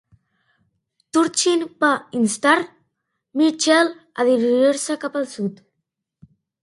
Turchin va instar Mitchel a dirigir-se cap al sud.